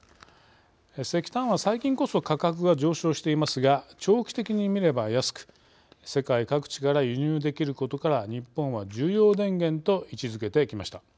石炭は最近こそ価格が上昇していますが長期的にみれば安く世界各地から輸入できることから日本は重要電源と位置づけてきました。